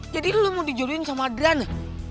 jadi lo mau dijodohin sama adriana